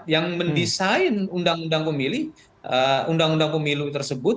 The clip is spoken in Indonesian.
yang mendesain undang undang pemilih undang undang pemilu tersebut